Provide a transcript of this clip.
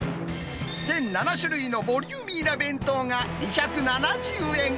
全７種類のボリューミーな弁当が２７０円。